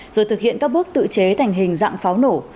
rồi thực hiện các bước tự chế thành hình dạng pháo nổ